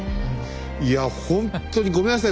いやほんとにごめんなさい。